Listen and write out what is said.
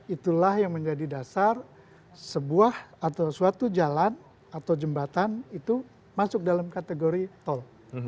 itulah yang menjadi dasar sebuah atau suatu jalan atau jembatan itu masuk dalam kategori tol